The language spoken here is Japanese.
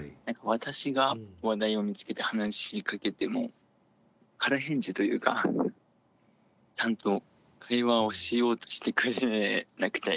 私が話題を見つけて話しかけても空返事というかちゃんと会話をしようとしてくれなくて。